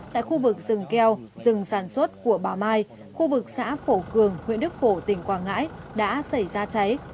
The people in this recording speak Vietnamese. tại khu vực rừng keo rừng sản xuất của bà mai khu vực xã phổ cường huyện đức phổ tỉnh quảng ngãi đã xảy ra cháy